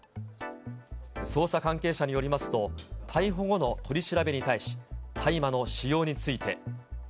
捜査関係者によりますと、逮捕後の取り調べに対し、大麻の使用について。